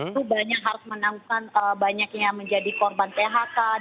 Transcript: itu banyak harus menangkan banyak yang menjadi korban phk